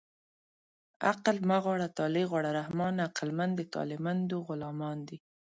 عقل مه غواړه طالع غواړه رحمانه عقلمند د طالعمندو غلامان دي